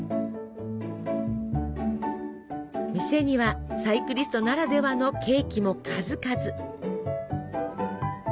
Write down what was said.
店にはサイクリストならではのケーキも数々。